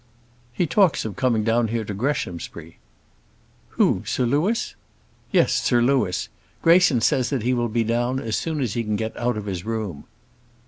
He talks of coming down here to Greshamsbury." "Who, Sir Louis?" "Yes, Sir Louis. Greyson says that he will be down as soon as he can get out of his room."